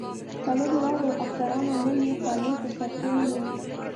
څلورو واړو افسرانو لویې خولۍ په سر کړې وې.